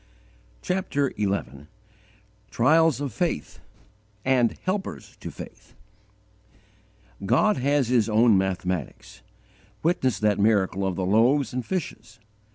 CHAPTER XI TRIALS OF FAITH, AND HELPERS TO FAITH GOD has His own mathematics: witness that miracle of the loaves and fishes.